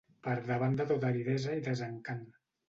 Per davant de tota aridesa i desencant